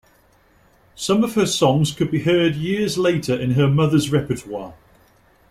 Some of her songs could be heard years later in her mother's repertoire.